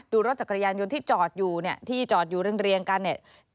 ดูรถจักรยานยนต์ที่จอดอยู่เนี่ยที่จอดอยู่เรียงกันเนี่ย